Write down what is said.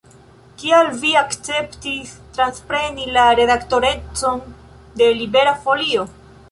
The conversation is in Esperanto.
Kial vi akceptis transpreni la redaktorecon de Libera Folio?